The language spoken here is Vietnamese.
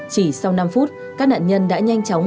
chỉ sau năm phút các nạn nhân đã nhanh chóng